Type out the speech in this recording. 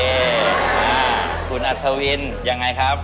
อ่าคุณอัศวินยังไงครับ